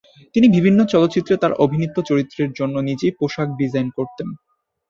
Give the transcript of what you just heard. তিনি বিভিন্ন চলচ্চিত্রে তার অভিনীত চরিত্রের জন্য নিজেই পোশাক ডিজাইন করতেন।